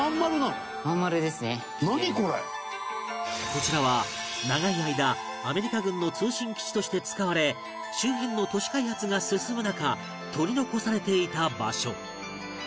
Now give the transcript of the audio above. こちらは長い間アメリカ軍の通信基地として使われ周辺の都市開発が進む中取り残されていた場所